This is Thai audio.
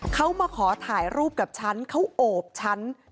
เขามาขอถ่ายรูปกับฉันเขาโอบฉัน